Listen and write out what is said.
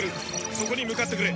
そこに向かってくれ。